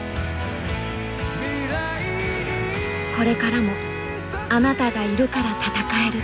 これからも「あなたがいるから戦える」。